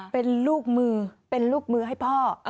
เป็นลูกมือเป็นลูกมือให้พ่อ